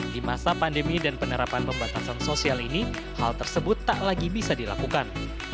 di masa pandemi dan penerapan pembatasan sosial ini hal tersebut tak lagi bisa dilakukan